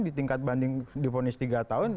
di tingkat banding difonis tiga tahun